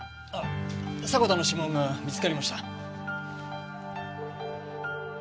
迫田の指紋が見つかりました。